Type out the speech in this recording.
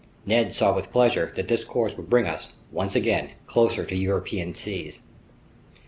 Ned saw with pleasure that this course would bring us, once again, closer to European seas.